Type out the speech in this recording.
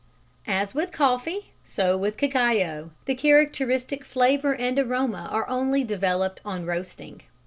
_ As with coffee so with cacao, the characteristic flavour and aroma are only developed on roasting.